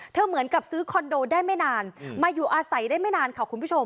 เหมือนกับซื้อคอนโดได้ไม่นานมาอยู่อาศัยได้ไม่นานค่ะคุณผู้ชม